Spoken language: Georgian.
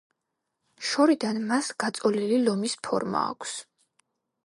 შორიდან მას გაწოლილი ლომის ფორმა აქვს.